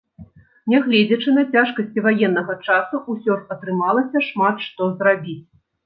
Нягледзячы на цяжкасці ваеннага часу, усё ж атрымалася шмат што зрабіць.